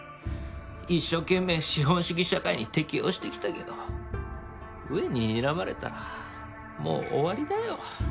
一生懸命資本主義社会に適応してきたけど上ににらまれたらもう終わりだよ。